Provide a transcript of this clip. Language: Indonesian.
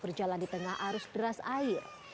berjalan di tengah arus deras air